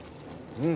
うん。